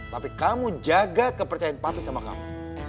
tapi kamu jaga kepercayaan publik sama kamu